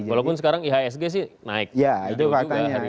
walaupun sekarang ihsg sih naik